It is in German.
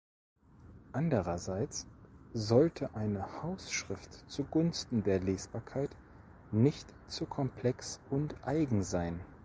Andererseits sollte eine Hausschrift zu Gunsten der Lesbarkeit nicht zu komplex und eigen sein.